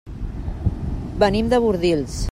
Venim de Bordils.